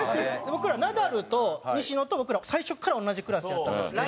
僕らナダルと西野と僕らは最初から同じクラスやったんですけど。